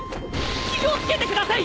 気を付けてください！